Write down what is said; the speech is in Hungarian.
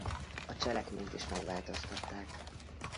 A cselekményt is megváltoztatták.